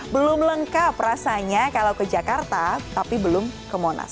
belum lengkap rasanya kalau ke jakarta tapi belum ke monas